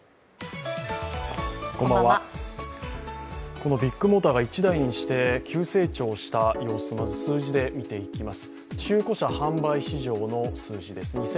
このビッグモーターが一代にして急成長した様子をまず数字で見ていきます。